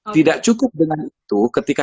tidak cukup dengan itu ketika